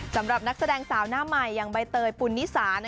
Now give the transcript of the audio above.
สำหรับนักแสดงสาวหน้าใหม่อย่างใบเตยปุณนิสา